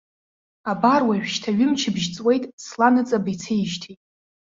Абар уажәшьҭа ҩымчыбжь ҵуеит сла ныҵаба ицеижьҭеи.